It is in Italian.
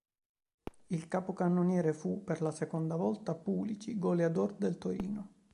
Il capocannoniere fu, per la seconda volta, Pulici, goleador del Torino.